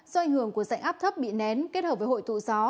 do ảnh hưởng của dạng áp thấp bị nén kết hợp với hội thụ gió